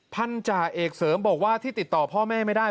จ่าเอกเสริมบอกว่าที่ติดต่อพ่อแม่ไม่ได้